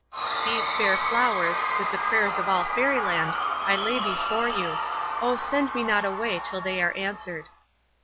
These fair flowers, with the prayers of all Fairy Land, I lay before you; O send me not away till they are answered."